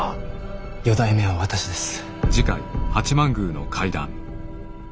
四代目は私です。